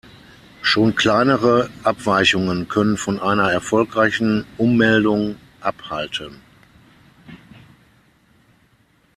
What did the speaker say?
Schon kleinere Abweichungen können von einer erfolgreichen Ummeldung abhalten.